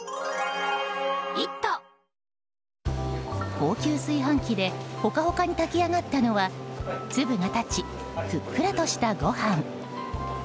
高級炊飯器でホカホカに炊き上がったのは粒が立ち、ふっくらとしたご飯。